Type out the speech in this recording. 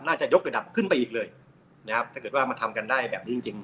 ยกระดับขึ้นไปอีกเลยนะครับถ้าเกิดว่ามาทำกันได้แบบนี้จริงจริง